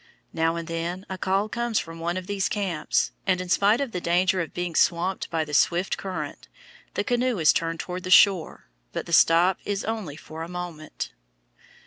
Now and then a call comes from one of these camps, and in spite of the danger of being swamped by the swift current, the canoe is turned toward the shore, but the stop is only for a moment.